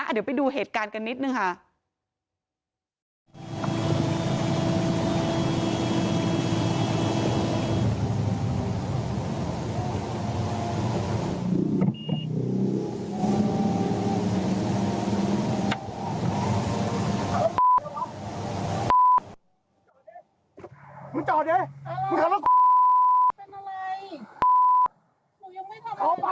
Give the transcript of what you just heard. คุณผู้ชมมาดูเหตุการณ์นี้กันนิดนึงค่ะ